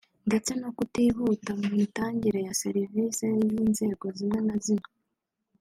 ndetse no kutihuta mu mitangire ya serivisi y’inzego zimwe na zimwe